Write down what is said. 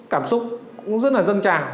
cảm xúc cũng rất là dâng tràng